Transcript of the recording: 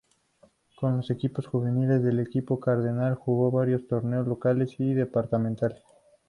Con los equipos juveniles del equipo cardenal, jugó varios torneos locales y departamentales.